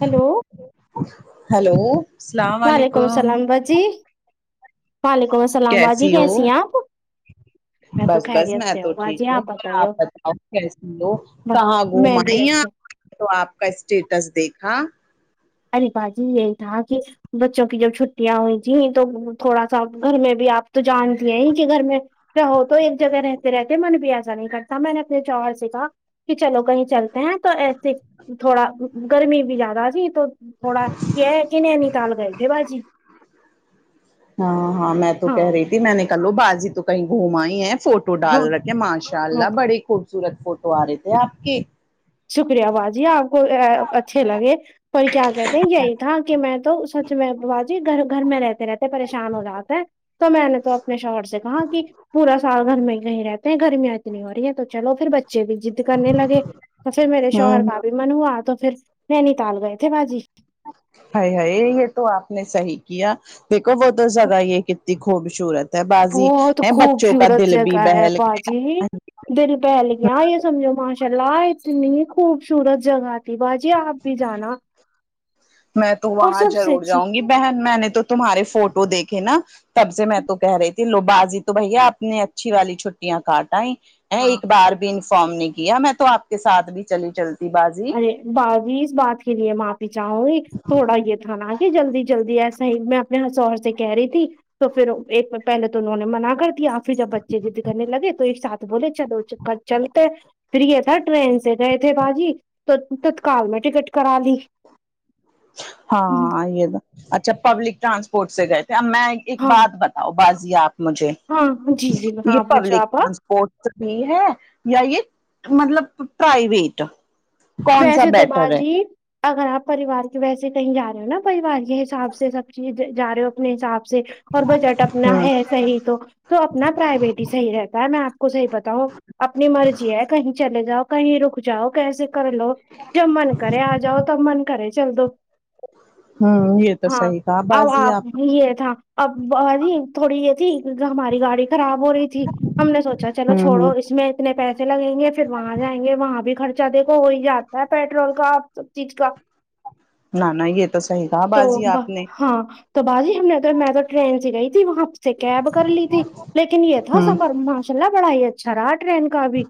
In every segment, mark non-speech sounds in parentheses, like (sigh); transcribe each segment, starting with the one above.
hello hello السلام وعلیکم علیکم السلام باجی وعلیکم السلام باجی کیسی ہیں آپ میں تو بس بس خیریت میں سے تو ٹھیک باجی ہوں بتائیے آپ بتاؤ کیسی ہو کہاں گھوم میں بھی آئی اچھے تو آپ کا اسٹیٹس دیکھا ارے باجی یہی تھا کہ بچوں کی جب چھٹیاں ہوئی تھیں تو تھوڑا سا گھر میں بھی آپ تو جانتی ہیں ہی کہ گھر میں رہو تو ایک جگہ رہتے رہتے من بھی آ ایا نہیں کرتا میں نے اپنے شوہر سے کہا کہ چلو کہیں چلتے ہیں تو ایسے تھوڑا گرمی بھی زیادہ تھی تو تھوڑا کہ نینتال گئے تھے باجی ہاں ہاں میں تو کہہ رہی تھی میں نے کہ لو بازی تو کہیں گھوم آئی ہے فوٹو فوٹو ڈال ہاں رکھے ہیں ماشاء ہاں اللہ بڑے خوبصورت فوٹو آرکھی ہے آپ کے شکریہ باجی آپ کو اچھے لگے پر کیا کہتے ہیں یہی تھا کہ میں تو میں باجی گھر گھر میں رہتا رہتے پریشان ہو جاتے ہے تو میں نے تو اپنے شوہر سے کہا کہ پورا سال گھر میں ہی کہیں رہتے ہیں گرمیاں اتنی ہو رہی ہیں تو چلو پھر بچے بھی ضد کرنے لگے تو پھر میرے شوہر ہوں کا بھی من ہوا تو پھر نینی تال گئے تھے باجی ہائی ہائی یہ تو آپ نے صحی کیا دیکھو وہ تو زیادہ یہ کتنی خوبصورت ہے بازی بہت ہے بچوں کا خوبصورت دل بھی جگہ ہے بہل باجی گ دل بہل گیا یہ سمجھو ماشاء اللہ اتنی خوبصورت جگہ تھی باجی آپ بھی جانا میں تو اور وہاں سب سے ضرور اچھی جاؤں گی بہن میں نے تو تمہارے فوٹو دیکھے نا تب سے میں تو کہہ رہی تھی لو بازی تو بھیا اپنی اچھی والی چھٹیاں کاٹ آئی ہاں ایک بار بھی انفارم نہیں کیا میں تو آپ کے ساتھ بھی چلی چلتی بازی باضی اس بات کے لیے معافی چاہوں گی تھوڑا یہ تھا نا کہ جلدی جلدی ایسے میں اپنے شوہر سے کہہ رہی تھی تو پھر ایک پہلے تو انہوں نے منا کر دیا پھر جب بچے بھی ضد کرنے لگے تو ایک ساتھ تو بولے چلو چلتے فری تھا ٹرین سے گئے تھے چلو چلتے ہے باجی تو تتکال میں ٹکٹ کرا لی ہاں یہ تو اچھا پبلک ٹرانسپورٹ سے گئے تھے اب میں ایک ہاں بات بتا آو بازی آپ مجھے ہاں جی جی یہ ہاں پوچھو پبلک آپ ٹرانسپورٹ یہ ہے یا یہ مطلب پرائیویٹ کون سا ویسے تو بیٹر ہے باجی اگر آپ پریوار کے ویسے کہیں جا رہے ہو نا پریوار کے حساب سے سب چیز جا رہے ہو اپنے حساب سے سے اور بجٹ اپنا ہ ہے صحیح تو تو اپنا پرائیویٹ ہی صحیح رہتا ہے میں آپ کو صحیح بتاؤں اپنی مرضی ہے کہیں چلے جاؤ کہیں رک جاؤ کیسے کر لو جب من کرے آجاؤ تب من کرے چل دو ہ یہ تو ہاں صحیح کہا آو اب بازی آپ یہ تھا اب بازی تھوڑی یہ تھی ہماری گاڑی خراب ہو رہی تھی ہم نے سوچا چلو ہ ہ چھوڑو اس میں اتنے پیسے لگیں گے پھر وہاں جاینگے گے وہاں بھی خرچہ دے وہ ہی جاتا ہے پیٹرول کا سب چیز کا نہ نہ یہ تو صحیح کہا تو بازی آپ با- نے ہاں تو باجی ہم نے تو میں تو ٹرین سے گئی تھی وہاں سے کیب کر لی تھی لیکن یہ تھا ہوں سفر انشاللہ بڑا ہی اچھا رہا ٹرین کا ابھی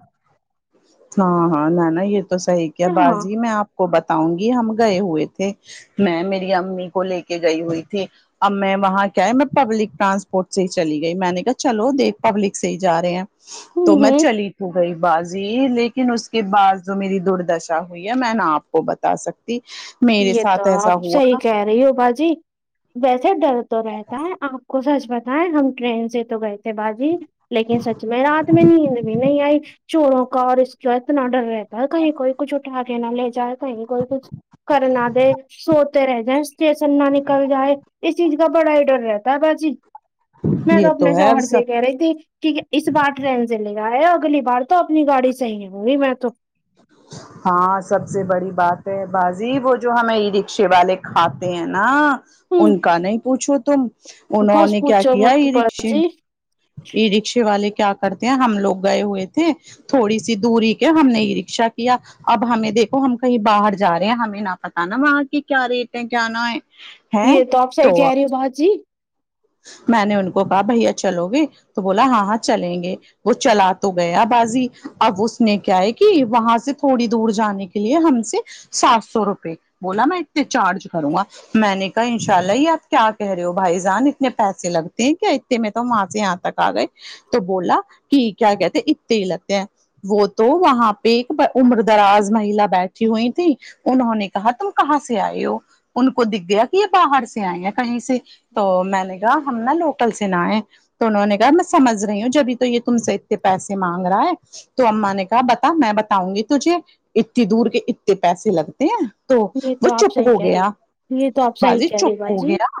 ہاں ہاں نہ نا یہ تو صحیح کیا ہاں بازی میں آپ کو بتاؤں گی ہم گئے ہوئے تھے میں میری امی کو لے کے گئی ہوئی تھی اب میں وہاں کیا ہے میں پبلک ٹرانسپورٹ سے ہی چلی گئی تھی میں نے کہا چلو دیکھ پبلک سے ہی جا رہے ہیں ہ تو میں ہ چلی ہو گئی بازی لیکن اس کے بعد جو میری دوردرشا ہوئی ہے میں نا آپ کو بتا سکتی میرے یہ تو ساتھ ایسا آپ صحیح ہوا کہہ رہی ہو باجی ویسے ڈر تو رہتا ہے آپ کو سچ بتائیے ہم تو ٹرین سے گئے تھے باجی لیکن سچ میں رات میں نیند بھی نہیں آئی چوروں کا اور اس کا اتنا ڈر رہ کہیں کوئی کچھ اٹھا کے نہ لے جائے کہیں کوئی کچھ کرنادے سوتے رہ جائیں اسٹیشن نہ نکل جائے اس چیز کا بڑا ہی ڈر رہتا ہے باجی میں یہ تو اپنے ہے شوہر سب سے کہہ رہی تھی ٹھیک ہے اس بار ٹرین سے لے اے اگلی بار تو اپنی گاڑی صحیح ہوگی میں تو ہاں سب سے بڑی بات ہے باجی وہ جو ہمیں یہ رکشے والے کھاتے ہیں نا ہوں ان کا نہیں پوچھو تم انہوں بس نے کیا پوچھو کیا مت یہ رکشے باجی یہ رکشے والے کیا کرتے ہیں ہم لوگ گئے ہوئے تھے تھوڑی سی دوری کے ہم نے یہ رکشا کیا اب ہمیں دیکھو ہم کہیں باہر جا رہے ہیں ہمیں نہ پتا نا وہاں کے کیا ریٹ ہے کیا نہ ہے ہے یہ تو آپ صحیح کہہ رہی ہو باجی میں نے ان کو کہا بھیا چلو گے تو بولا ہاں ہاں چلیں گے وہ چلا تو گیا بازی اب اس نے کیا ہے کہ وہاں سے تھوڑی دور جانے کے لیے ہم سے سات سو روپئے بولا میں اتے چارج کروں گا میں نے کہا ان شاء اللہ یہ آپ کیا کہہ رہے ہو بھائی جان اتنے پیسے لگتے ہیں کیا اتنے میں تو وہاں سے یہاں تک آ گئے تو بولا کہ کیا کہتے ہیں اتے ہی لگتے ہیں وہ تو وہاں پہ ایک با عمر دراز مہیلا بیٹھی ہوئی تھی انہوں نے کہا تم کہاں سے آئے ہو ان کو دکھ گیا کہ یہ باہر سے آئے ہیں کہیں سے تو میں نے کہا ہم نا لوکل سے نہئے تو انہوں نے کہا میں سمجھ رہی ہوں جبھی تو یہ تم سے اتنے پیسے مانگ رہا ہے تو اما نے کہا بتا میں بتاؤں گی تجھے اتنی دور کے اتنے پیسے لگتے ہیں تو یہ وہ تو آپ چپ صحیح ہو کہہ رہی گیا ہے یہ تو آپ صحیح باجی کہہ رہی چپ ہو باجی گیا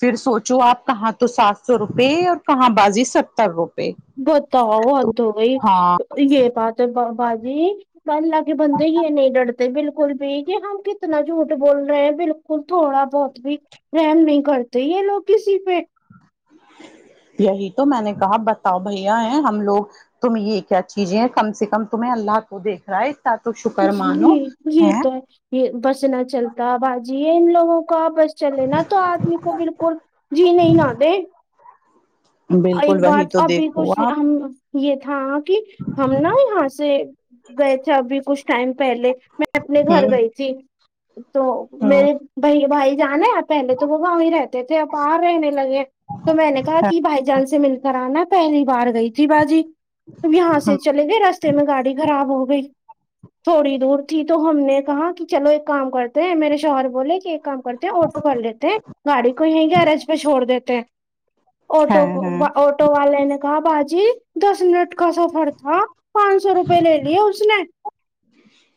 پھر سوچو آپ کہاں تو سات سو روپئے اور کہاں باجی ستر روپئے بتاؤ حد ہوگئی ہاں یہ بات ہے باجی اللہ کے بندے یہ نہیں ڈرتے بالکل بھی کہ ہم کتنا جھوٹ بول رہے ہیں بال تھوڑا بہت بھی رحم نہیں کرتے یہ لوگ کسی پہ یہی تو میں نے کہا بتاؤ بھیا ہیں ہم لوگ تم یہ کیا چیزیں کم سے کم تمہیں اللہ تو دیکھ رہا ہے تو شکر جی مانو یہ تو ہے یہ بسنا چلتا بازی ہے ان لوگوں کو بس چلے نا تو آدمی کو بالکل جینے ہی نہ دے ای بالکل وہی بات تو ابھی دیکھو کچھ ہم آپ یہ تھا کہ ہم نا یہاں سے گئے تھے ابھی کچھ ٹائم پہلے میں اپنے ہ گھر گئ تھی تو ہ میرے بھائی بھائی جان ہے پہلے تو وہ وہی رہتے تھے اور بار رہنے لگے تو میں نے کہا کہ بھائی جان سے مل کر آنا پہلی بار گئی تھی باجی یہاں سے ہاں چلے گئے رستے میں گاڑی خراب ہو گئی تھوڑی دور تھی تو ہم نے کہا کہ چلو ایک کام کرتے ہیں میرے شوہر بولے کہ ایک کام کرتے آٹو کر لیتے ہیں گاڑی کو یہیں گیرج پہ چھوڑ دیتے ہیں آٹو ہاں ہاں آٹو والے نے کہا باجی دس منٹ کا سفر تھا پانچ سو روپے لے لیے اس نے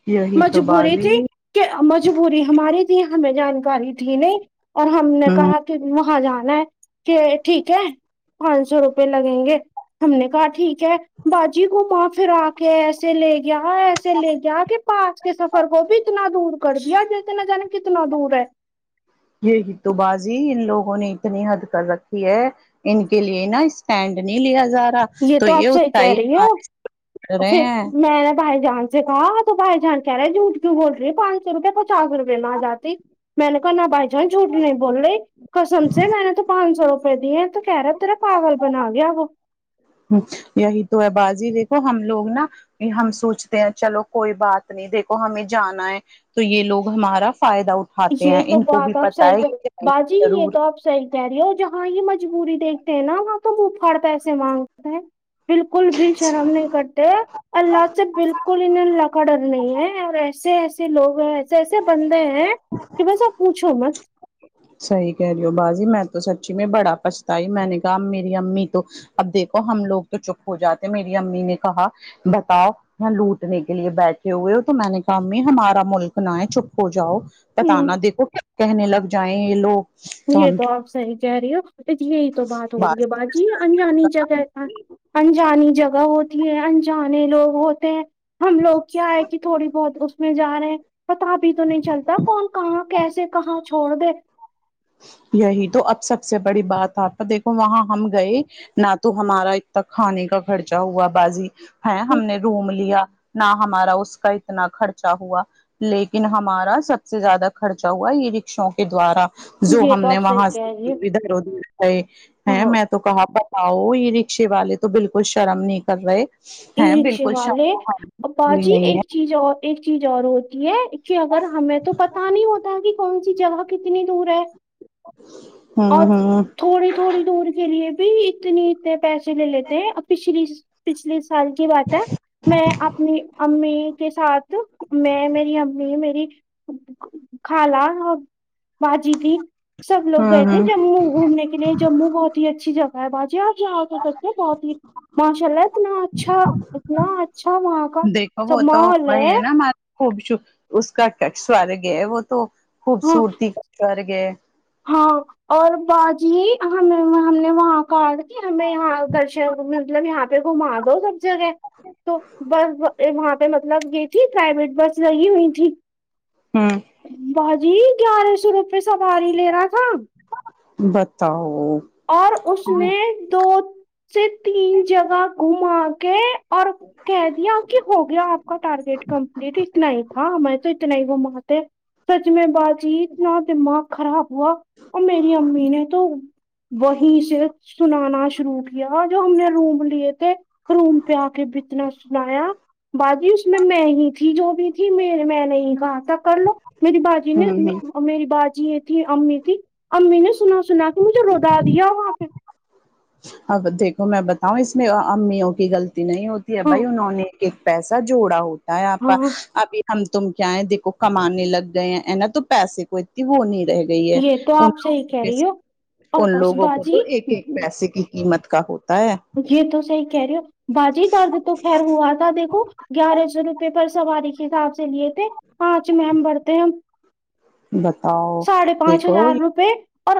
یہی تو مجبوری بازی تھی کہ مجبوری ہماری تھی ہمیں جانکاری تھی ہے نہیں اور ہم نے ہوں کہا کہ وہاں جانا ہے کہ ٹھیک ہے پانچ سو روپے لگیں گے ہم نے کہا ٹھیک ہے باجی گھوما پرا کے ایسے لے گیا ایسے لے گیا کہ پانچ کے سفر کو بھی اتنا دور کر دیا جتنا جانے کتنا دور ہے یہی تو بازی ان لوگوں نے اتنی حد کر رکھی ہے ان کے لیے نا اسٹینڈ نہیں لیا جا رہا یہ تو آپ صحیح کہہ رہی ہو رہے پھر ہیں میں نے بھائی جان دے کہا تو بھائی جان کہہ رہے جھٹ کیوں بول رہی ہے پانچ سو روپئے پچاس روپے میں آجاتی میں نے کہا نا بھائی جان جھوٹ نہیں بول رہی قسم سے میں نے تو پانچ سو روپئے دیے ہیں تو کہہ رہا تیرا پاغل بنا گیا وہ ہ یہی تو ہے بازی دیکھو ہم لوگ نا کہ ہم سوچتے ہیں چلو کوئی بات نہیں دیکھو ہمیں جانا ہے تو یہ لوگ ہمارا فائدہ اٹھا یہ تو بات آپ صحیح کہ بازی یہ تو بات ضرور آپ صححیح کہہ رہی ہو جہاں یہ مجبوری دیکھتے ہیں نا وہاں تو وہ منہ پھاڑ پیسے مانگتے ہیں بالکل بھی شرم نہیں کرتے اللہ سے بالکل انہیں اللہ کا ڈر نہیں ہے اور ایسے ایسے لوگ ایسے ایسے بندے ہیں کہ ویسا پوچھو مت صحثی کہہ رہی ہو باجی میں تو سچی میں بڑا پچھتائی میں نے کہا میری امی تو اب دیکھو ہم لوگ تو چپ ہو جاتے میری امی نے کہا بتاؤ لوٹنے کے لیے بیٹھے ہوئے ہو تو میں نے کہا میں ہمارا ملک نہ ہے چپ ہو جاؤ ہوں پتانا دیکھو کیا کہنے لگ جائیں یہ لوگ یہ تو آپ صحیح کہہ رہی ہو یہی تو بات ہو رہی باز ہے بات جی انجانی جگہ انجانی جگہ ہوتی ہے انجانے لوگ ہوتے ہیں ہم لوگ کیا ہے کہ تھوڑی بہت اس میں جا رہے ہیں پتا بھی تو نہیں چلتا کون کہاں کیسے کہاں چھوڑ دے وہی تو اب سب سے بڑی بات آپا دیکھو وہاں ہم گئے نہ تو ہمارا اتنا کھانے کا خرچہ ہوا باجی ہے ہم نے روم لیا نہ ہمارا اس کا اتنا خرچہ ہوا لیکن ہمارا سب سے زیادہ خرچہ ہوا یہ رکشوں کے دوارا جو یہ ہم تو نے آپ صحیح وہاں کہہ سے رہی (unintelligible) ادھراو د ھر ہو گئے ہاں میں تو تو کہا بتاؤ یہ رکشے والے تو بالکل شرم نہیں کر رہے ای ہیں (unintelligible) بالکل والے اپپا شرم جی نہیں ہے ایک چیز اور ایک چیز اور ہوتی ہے کہ اگر ہمیں تو پتا نہیں ہوتا کہ کون سی جگہ کتنی دور ہے ہوں اور ہوں تھوڑی تھوڑی دور کے لیے بھی اتنے اتنے پیسے لے لیتے ہیں پچھلی پچھلیے سال کی بات ہے میں اپنی امی کے ساتھ میں میری امی میری خالہ باجی تھی سب لوگ گئے تھے ہوں ہوں ج گھومنے کے لیے جموں بہت ہی اچھی جگہ ہے باجی آپ یہاں ہو سکتے بہت ہی ماشاء اللہ اتنا اچھا اتنا اچھا وہاں کا دیکھو وہ سب تو ماحول وہی ہے نا ہمارا خوب ش اس کا سرگ ہے وہ تو ہاں خوبصورتی کا سورگ ہے (unintelligible) ہاں اور با جی ہی ہم ہم نے وہاں کال کہ ہمیں یہاں درشن مطلب یہاں آ گھما دو سب جگہ تو بس وہاں پہ مطلب گئی تھی پرائیویٹ بس لگی ہوئی تھی ہاں باجی گیارہ سو روپے سواری لے رہا تھا بتاؤ اور اس نے دو سے تین جگہ گھما کے اور کہہ دیا کہ ہو گیا آپ کا ٹارگیٹ کمپلیٹ اتنا ہی تھا ہمیں تو اتنا ہی وہ گھماتے سچ میں باجی اتنا دماغ خراب ہوا اور میری امی نے تو وہیں سے سنانا شروع کیا جو ہم نے روم لیے کے روم پے آ کے کے اتنا سنایا باجی اس میں ہی تھی جو بھی تھی میرے میں نہیں کہا تھا کر لو میری با ہوں میری باجی یہ تھی امی تھی امی نے سنا سنا کے مجھے رو دیا وہاں پہ اب دیکھو میں بتاؤں اس میں امیوں کی غلطی نہیں ہوتی ہے ہاں بھائی انہوں نے ایک پیسہ جوڑا ہوتا ہے آپا ہاں اب ہم تم کیا ہے دیکھو کمانے لگ گئے ہیں نا تو پیسے کو اتنی وہ نہیں رہے گی گئی ہے یہ تو ان آپ صحیح کہہ لوگ رہی ہو اور ان اس لوگوں کو باجی تو ایک ایک پیسے کی قیمت کا ہو یہ تو صحیح کہہ رہے ہو باجی درد تو خیر ہوا تھا دیکھو گیارہ سو روپے پر سواری کے حساب سے لیے تھے پانچ ممبر تھے ہم بتاؤ ساڑھے پانچ دیکھو ہزار روپے اور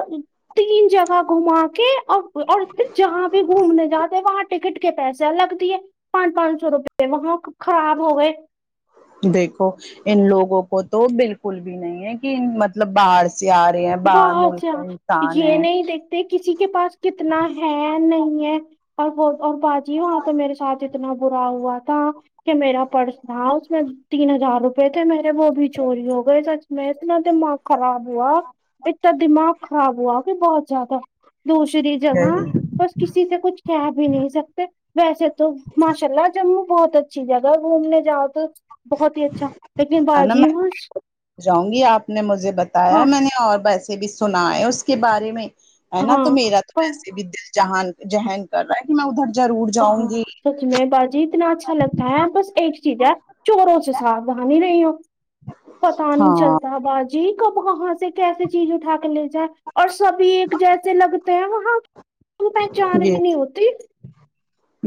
تین جگہ گھما کے اور اور پھر جہاں بھی گھومنے جاتے وہاں ٹکٹ کے پیسے الگ دیے پانچ پانچ سو روپے وہاں خراب ہو گئے دیکھو ان لوگوں کو تو بالکل بھی نہیں ہے کہ مطلب باہر سے جا رہے ہیں باہر بہت سے ملک کا انسان یہ ہے نہیں دیکھتے کسی کے پاس کتنا ہے نہیں ہے اور وہ اور باجی وہاں پہ میرے ساتھ اتنا برا ہوا تھا کہ میرا پرس تھا اس میں تین ہزار روپئے تھے میرے وہ بھی چوری ہو گئے سچ میں اتنا دماغ خراب ہوا اتنا دماغ خراب ہوا کہ بہت زیادہ دوسری جگہ ہے بس کسی نے کچھ کہ بھی نہیں سکتے ویسے تو ماشاء اللہ جموں بہت اچھی جگہ ہے گھومنے جاؤ تو بہت ہی اچھا لیکن نا باجی میں مجھ جاؤں گی آپ نے مجھے بتایا میں نے اور ویسے بھی سنا ہے اس کے بارے میں ہے نا ہاں تو میرا تو پر ویسے بھی دل جہان ذہن کر رہا ہے کہ میں ادھر ضرور ہاں جاؤں گی سچ میں باجی اتنا اچھا اچھا لگتا ہے بس ایک چیز ہے چوروں سے ساؤدھانی رہی ہو پتا نہیں چل ہاں تا باجی کب کہاں سے کیسے چیز اٹھا کے لے جائے اور سبھی ایک جیسے لگتے وہاں پہچان بھی یہ نہیں ہوتی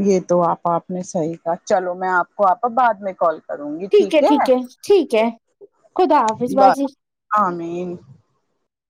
یہ تو آپا آپ نے صحیح کہا چلو میں آپ کو آپا بعد میں کال کر کروں گی ٹھیک ہے خدا حافظ بس باجی آمین